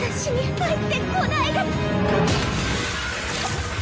あっ。